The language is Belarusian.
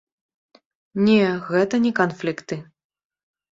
Не, гэта не канфлікты.